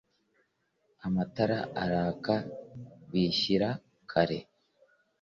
amatara araka bishyira kera